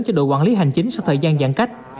cho đội quản lý hành chính sau thời gian giãn cách